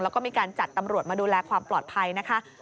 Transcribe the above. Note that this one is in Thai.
แล้วก็มีการจัดตำรวจมาดูแลความปลอดภัยนะคะ